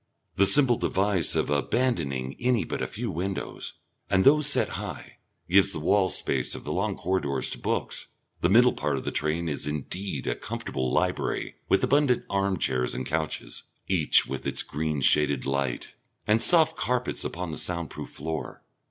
The simple device of abandoning any but a few windows, and those set high, gives the wall space of the long corridors to books; the middle part of the train is indeed a comfortable library with abundant armchairs and couches, each with its green shaded light, and soft carpets upon the soundproof floor.